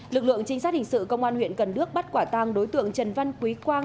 lực lượng trinh sát hình sự công an huyện cần đước bắt quả tang đối tượng trần văn quý quang